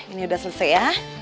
ini udah selesai ya